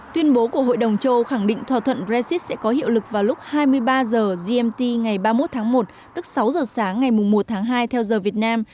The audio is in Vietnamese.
tuyên bố của hội đồng châu âu khẳng định thỏa thuận brexit sẽ có hiệu lực vào lúc hai mươi ba h gmt ngày ba mươi một tháng một tức sáu h sáng ngày một tháng hai theo giờ việt nam